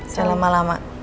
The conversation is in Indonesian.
salam ala mak